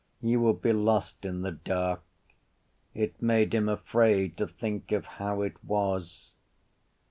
You would be lost in the dark. It made him afraid to think of how it was.